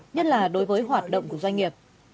nhất là đối với hoạt động của doanh nghiệp